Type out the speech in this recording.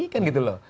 kan gitu loh